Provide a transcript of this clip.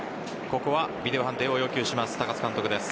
ここはビデオ判定を要求します。